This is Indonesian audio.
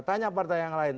tanya yang lain